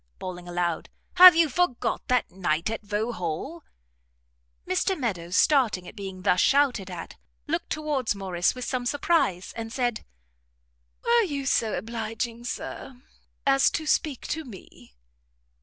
bawling aloud, "have you forgot that night at Vauxhall?" Mr Meadows, starting at being thus shouted at, looked towards Morrice with some surprise, and said, "Were you so obliging, Sir, as to speak to me?"